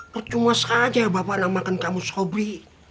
percuma saja bapak namakan kamu sobri